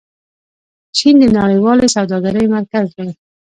چین د نړیوالې سوداګرۍ مرکز دی.